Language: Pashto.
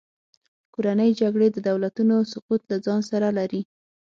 کورنۍ جګړې د دولتونو سقوط له ځان سره لري.